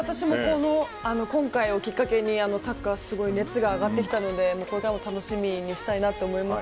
今回をきっかけにサッカーすごい熱が上がってきたのでこれからも楽しみにしたいなと思います。